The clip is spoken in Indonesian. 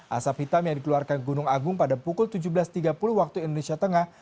asap hitam yang dikeluarkan gunung agung pada pukul tujuh belas tiga puluh waktu indonesia tengah